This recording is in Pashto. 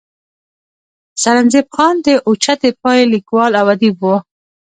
سرنزېب خان د اوچتې پائې ليکوال او اديب وو